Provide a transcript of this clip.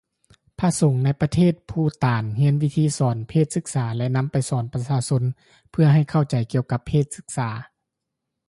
ພຣະສົງໃນປະເທດພູຕານຮຽນວິທີສອນເພດສຶກສາແລະນຳໄປສອນປະຊາຊົນເພື່ອໃຫ້ເຂົ້າໃຈກ່ຽວກັບເພດສຶກສາ